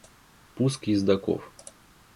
Пуск ездоков.